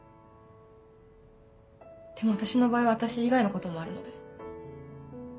でも私の場合は私以外のこともあるので。